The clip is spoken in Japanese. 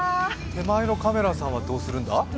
手前のカメラさんは、どうするんだ？